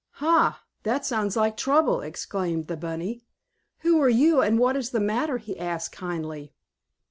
"Ha! That sounds like trouble!" exclaimed the bunny. "Who are you and what is the matter?" he asked, kindly.